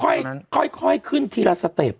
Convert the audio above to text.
ค่อยขึ้นทีละสเต็ป